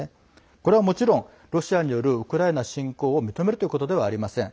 これはもちろん、ロシアによるウクライナ侵攻を認めるということではありません。